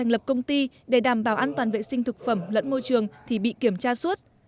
lẫn môi trường thì bị kiểm tra suốt